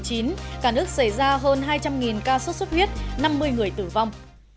một mươi tháng đầu năm hai nghìn một mươi chín cả nước xảy ra hơn hai trăm linh ca sốt xuất huyết năm mươi người tử vong